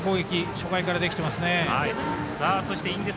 初回からできてますね。